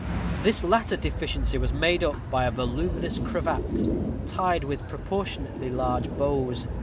This latter deficiency was made up by a voluminous cravat, tied with proportionately large bows.